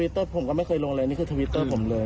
ผมก็ไม่เคยลงเลยนี่คือทวิตเตอร์ผมเลย